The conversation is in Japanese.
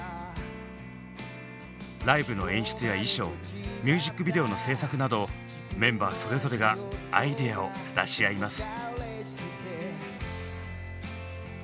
ライブの演出や衣装ミュージックビデオの制作などメンバーそれぞれがアイデアを出し合います。